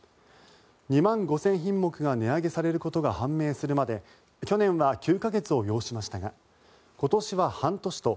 ２万５０００品目が値上げすることが判明するまで去年は９か月を要しましたが今年は半年と